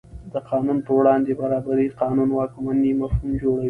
د قانون په وړاندې برابري قانون واکمنۍ مفهوم جوړوي.